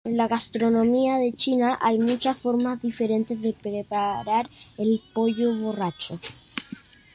En la gastronomía de China hay muchas formas diferentes de preparar el pollo borracho.